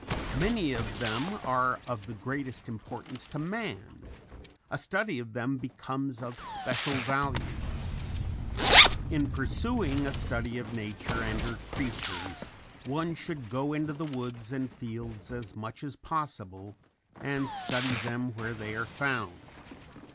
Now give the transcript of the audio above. Many of them are of the greatest importance to man; a study of them becomes of special value. In pursuing a study of nature and her creatures one should go into the woods and fields as much as possible and study them where they are found.